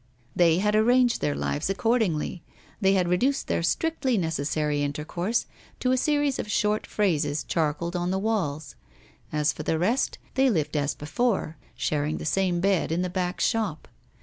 They had arranged their lives accordingly; they had reduced their strictly necessary intercourse to a series of short phrases charcoaled on the walls. As for the rest, they lived as before, sharing the same bed in the back shop.